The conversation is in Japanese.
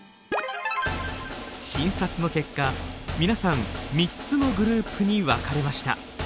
診察の結果皆さん３つのグループに分かれました。